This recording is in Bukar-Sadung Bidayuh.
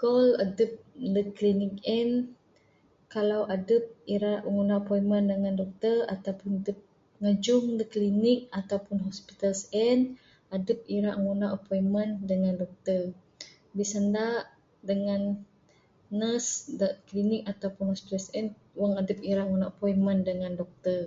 Call adep ndek klinik en kalau adep ira ngundah appointment dengan doktor ataupun dep ngejung Klinik ataupun hospital sien adep ira ngundah appointment dengan doktor. Bisenda dengan nurse dak klinik ataupun hospital sien wang adep ira ngundah appointment dengan doktor.